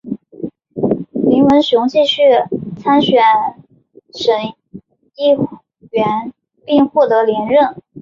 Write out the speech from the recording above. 林文雄继续参选省议员并获得连任。